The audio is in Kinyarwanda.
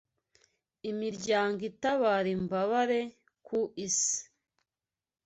Imiryango itabara imbabare ku isi